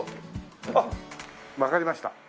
あっわかりました！